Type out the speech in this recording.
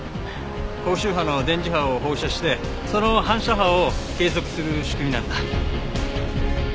高周波の電磁波を放射してその反射波を計測する仕組みなんだ。